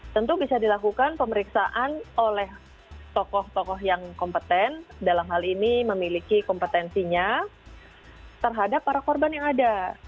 tentu bisa dilakukan pemeriksaan oleh tokoh tokoh yang kompeten dalam hal ini memiliki kompetensinya terhadap para korban yang ada